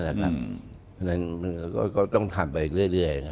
ที่นั้นต้องรายลงไปเรื่อย